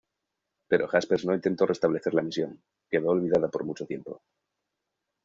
Pero Jaspers no intentó restablecer la misión, que quedó olvidada por mucho tiempo.